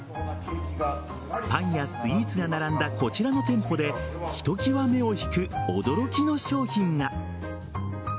パンやスイーツが並んだこちらの店舗でひときわ目を引く驚きの商品が。